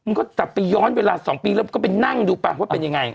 ก็จะไปย้อนเวลา๒ปีแล้วก็ไปนั่งดูป่ะว่าเป็นยังไง